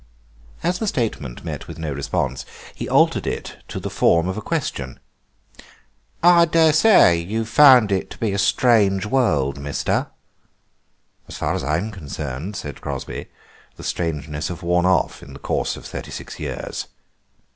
As the statement met with no response he altered it to the form of a question. "I daresay you've found it to be a strange world, mister?" "As far as I am concerned," said Crosby, "the strangeness has worn off in the course of thirty six years."